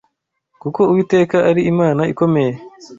Kuko Uwiteka ari Imana ikomeye